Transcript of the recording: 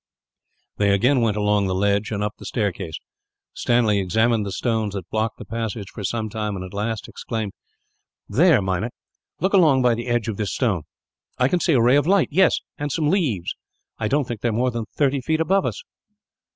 They again went along the ledge, and up the staircase. Stanley examined the stones that blocked the passage, for some time, and at last exclaimed: "There, Meinik, look along by the side of this stone. I can see a ray of light. Yes, and some leaves. I don't think they are more than thirty feet above us!"